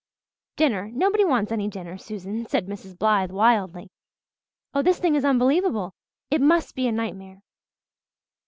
"Dinner! Nobody wants any dinner, Susan," said Mrs. Blythe wildly. "Oh, this thing is unbelievable it must be a nightmare."